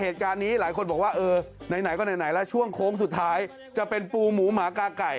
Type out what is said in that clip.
แต่ฉ่วงโครงสุดท้ายจะเป็นปูหมูหมากักไก่